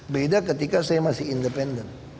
beda ketika saya masih independen